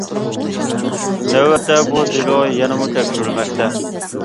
نۆۋەتتە، بۇ دېلو يەنىمۇ تەكشۈرۈلمەكتە.